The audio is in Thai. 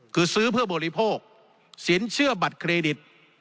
คือซื้อเพื่อบริโภคสินเชื่อบัตรเครดิต